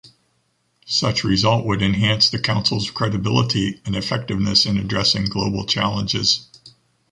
Such result would enhance the Council’s credibility and effectiveness in addressing global challenges.